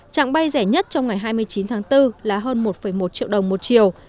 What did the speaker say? trạng bay rẻ nhất trong ngày hai mươi chín tháng bốn là hơn một một triệu đồng một triệu